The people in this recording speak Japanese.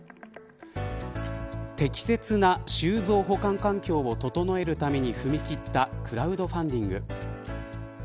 適切な収蔵保管環境を整えるために踏み切ったクラウドファンディング。